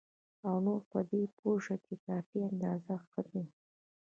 او نور په دې پوه شي چې کافي اندازه ښه دي.